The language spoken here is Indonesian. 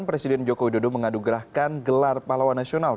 presiden joko widodo mengadu gerahkan gelar pahlawan nasional